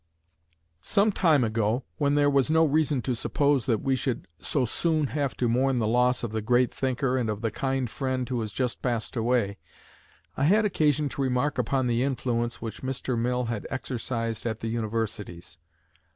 Some time ago, when there was no reason to suppose that we should so soon have to mourn the loss of the great thinker and of the kind friend who has just passed away, I had occasion to remark upon the influence which Mr. Mill had exercised at the universities.